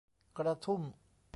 กระทุ่ม